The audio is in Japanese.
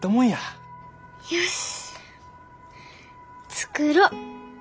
よし作ろ！